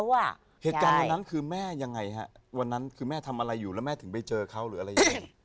วันนั้นคือแม่ทำอะไรอยู่แล้วแม่ถึงไปเจอเขาหรืออะไรอย่างนี้